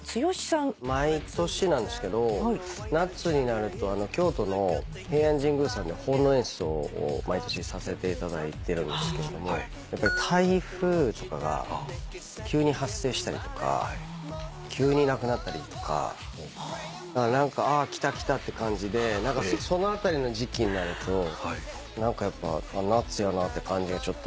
毎年なんですけど夏になると京都の平安神宮さんで奉納演奏を毎年させていただいてるんですけど台風とかが急に発生したりとか急になくなったりとか。来た来たって感じでその辺りの時季になると何かやっぱ夏やなって感じがちょっとあって。